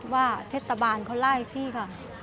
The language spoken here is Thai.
ว่าเทศบาลเขาไล่พี่ค่ะ